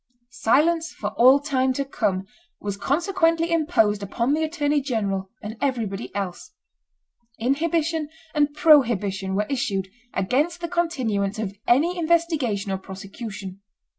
Silence for all time to come was consequently imposed upon the attorney general and everybody else; inhibition and prohibition were issued against the continuance of any investigation or prosecution.